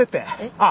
あっ！